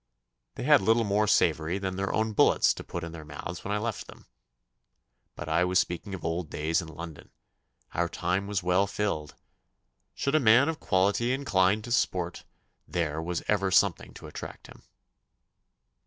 They had little more savoury than their own bullets to put in their mouths when I left them. But I was speaking of old days in London. Our time was well filled. Should a man of quality incline to sport there was ever something to attract him.